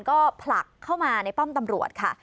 ก็ผลักเข้ามาในป้อมตำรวจค่ะ